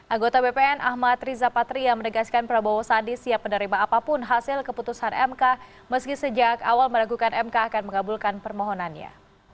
anggota bpn ahmad riza patria menegaskan prabowo sandi siap menerima apapun hasil keputusan mk meski sejak awal meragukan mk akan mengabulkan permohonannya